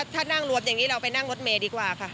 ถ้านั่งรวมอย่างนี้เราไปนั่งรถเมย์ดีกว่าค่ะ